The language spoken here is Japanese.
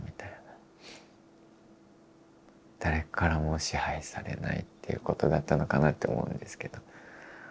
誰からも支配されないっていうことだったのかなって思うんですけど。